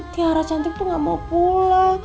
tiara cantik tuh gak mau pulang